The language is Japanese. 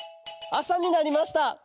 あさになりました。